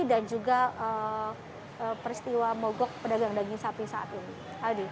dan juga peristiwa mogok pedagang daging sapi saat ini